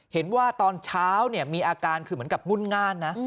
เห็นว่าตอนเช้ามีอาการคือเหมือนกับงุ่นง่านนะ